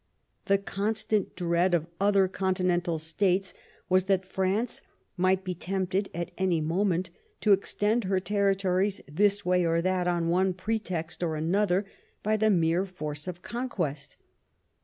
The constant dread of other continental states was that France might be tempted at any moment to extend her territories this way or that, on one pretext or another, by the mere force of conquest.